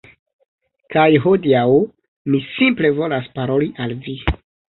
Kaj hodiaŭ mi simple volas paroli al vi.